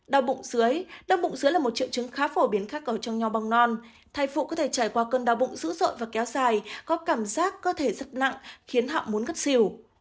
đau bụng dưới đau bụng dưới là một triệu chứng khá phổ biến khác ở trong nho băng non thai phụ có thể trải qua cơn đau bụng dữ dội và kéo dài có cảm giác cơ thể rất nặng khiến họ muốn ngất xỉu